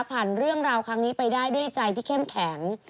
เรื่องราวครั้งนี้ไปได้ด้วยใจที่เข้มแข็ง